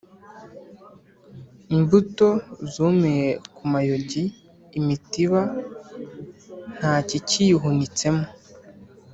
Imbuto zumiye ku mayogi, imitiba nta kikiyihunitsemo;